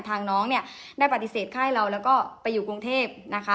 น้องเนี่ยได้ปฏิเสธค่ายเราแล้วก็ไปอยู่กรุงเทพนะคะ